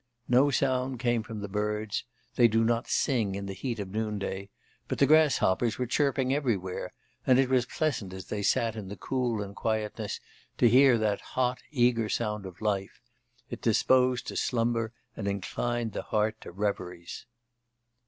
No sound came from the birds; they do not sing in the heat of noonday; but the grasshoppers were chirping everywhere, and it was pleasant as they sat in the cool and quietness, to hear that hot, eager sound of life; it disposed to slumber and inclined the heart to reveries.